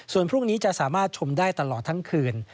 ส่วนพรุ่งนี้จะสามารถชมได้ตลอดทั้งคืน